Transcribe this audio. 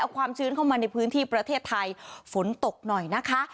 เอาความชื้นเข้ามาในพื้นที่ประเทศไทยฝนตกหน่อยนะคะ